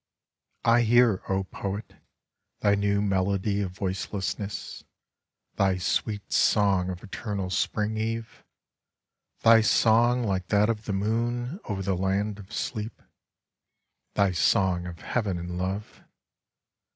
I hear, O poet, thy new melody of voicelessness, thy sweet song of eternal Spring eve, thy song like that of the moon over the land of sleep, thy song of Heaven and love